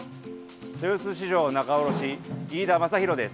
豊洲市場仲卸、飯田真広です。